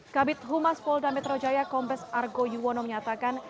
kabit humas polda metro jaya kombes argo yuwono menyatakan